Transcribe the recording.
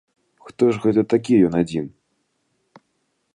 Хто ж гэта такі ён адзін?!